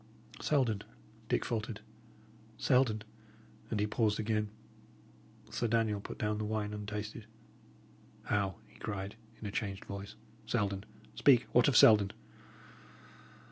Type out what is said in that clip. "Selden," Dick faltered "Selden" And he paused again. Sir Daniel put down the wine untasted. "How!" he cried, in a changed voice. "Selden? Speak! What of Selden?"